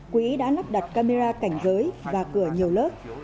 quỹ đã lắp đặt camera cảnh giới và cửa nhiều lớp